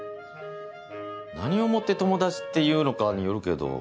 何をもって友達っていうのかによるけど。